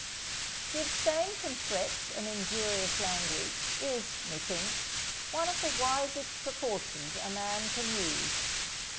_ To abstain from threats and injurious language, is, methinks, one of the wisest precautions a man can use.